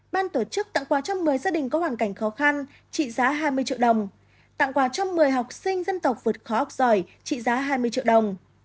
ban tổ chức tặng quà cho một mươi gia đình có hoàn cảnh khó khăn trị giá hai mươi triệu đồng tặng quà cho một mươi học sinh dân tộc vượt khó học giỏi trị giá hai mươi triệu đồng